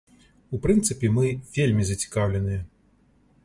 У прынцыпе, мы вельмі зацікаўленыя.